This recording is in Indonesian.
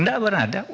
tidak pernah ada